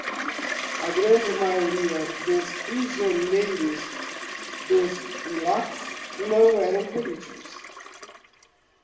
A grande maioria dos prisioneiros dos gulags não eram políticos